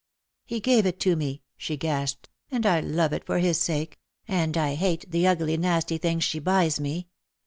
" He gave it to me," she gasped, " and I love it for his sake — and I hate the ugly nasty things she buys me.